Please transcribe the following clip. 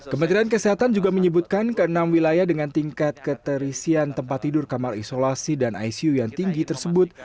kementerian kesehatan juga menyebutkan ke enam wilayah dengan tingkat keterisian tempat tidur kamar isolasi dan icu yang tinggi tersebut